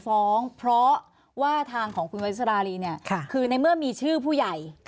ฟ้องเพราะว่าทางของคุณวัสรารีเนี่ยคือในเมื่อมีชื่อผู้ใหญ่